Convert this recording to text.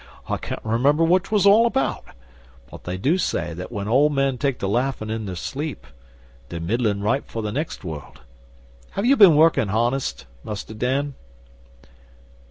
I can't remember what 'twas all about, but they do say that when old men take to laughin' in their sleep, they're middlin' ripe for the next world. Have you been workin' honest, Mus' Dan?